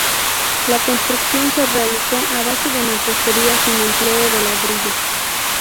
La construcción se realizó a base de mampostería sin empleo de ladrillo.